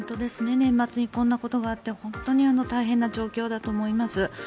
年末にこんなことがあって本当に大変な状況だと思います。